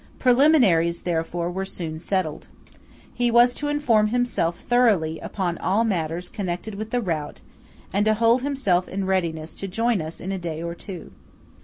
Preliminaries, therefore, were soon settled. He was to inform himself thoroughly upon all matters connected with the route, and to hold himself in readiness to join us in a day or two.